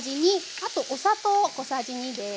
あとお砂糖小さじ２です。